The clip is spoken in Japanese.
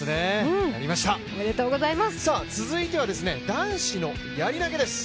続いては男子のやり投げです。